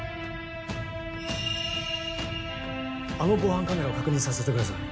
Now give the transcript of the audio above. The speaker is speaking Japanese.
あの防犯カメラを確認させてください。